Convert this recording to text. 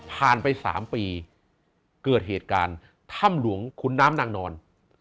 ผ่านไป๓ปีเกิดเหตุการณ์ถ้ำหลวงขุนน้ำนางนอน